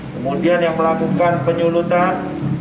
kemudian yang melakukan penyulutan